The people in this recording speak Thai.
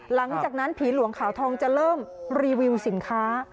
หลังจากนั้นผีหลวงขาวทองจะเริ่มรีวิวสินค้า